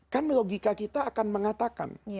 kan logika kita akan mengatakan